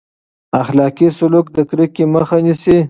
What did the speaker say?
اخلاقي سلوک د کرکې مخه نیسي.